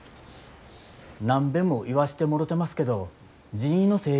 何べんも言わしてもろてますけど人員の整理お願いします。